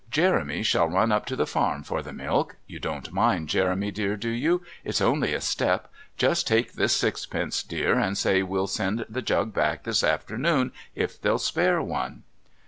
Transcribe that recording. "Jeremy shall run up to the farm for the milk. You don't mind, Jeremy dear, do you? It's only a step. Just take this sixpence, dear, and say we'll send the jug back this afternoon if they'll spare one."